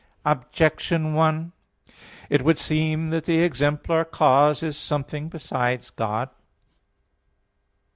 Objection 1: It would seem that the exemplar cause is something besides God.